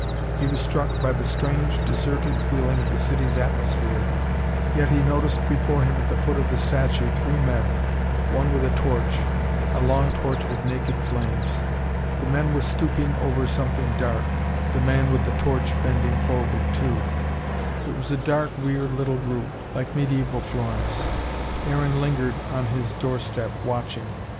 He was struck by the strange, deserted feeling of the city's atmosphere. Yet he noticed before him, at the foot of the statue, three men, one with a torch: a long torch with naked flames. The men were stooping over something dark, the man with the torch bending forward too. It was a dark, weird little group, like Mediaeval Florence. Aaron lingered on his doorstep, watching.